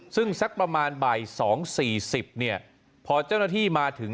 ซึ่งสักประมาณบ่าย๒๔๐เนี่ยพอเจ้าหน้าที่มาถึง